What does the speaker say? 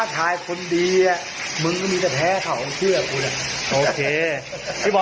สิบ่อยมีอะไรบอกไหม